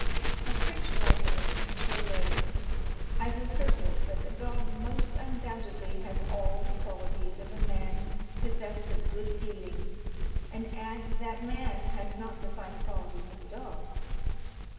A French writer (Mons. Blaze) has asserted, that the dog most undoubtedly has all the qualities of a man possessed of good feeling, and adds that man has not the fine qualities of the dog.